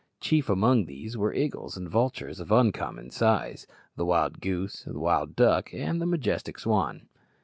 Chief among these were eagles and vultures of uncommon size, the wild goose, wild duck, and the majestic swan.